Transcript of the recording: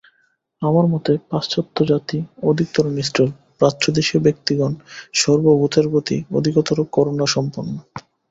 আমার মতে পাশ্চাত্য জাতি অধিকতর নিষ্ঠুর, প্রাচ্যদেশীয় ব্যক্তিগণ সর্বভূতের প্রতি অধিকতর করুণাসম্পন্ন।